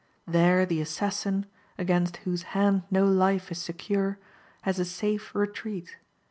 There the assassin, against whose hand no life is secure, has a safe retreat.